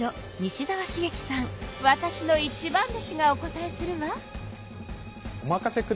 わたしの一番弟子がお答えするわ。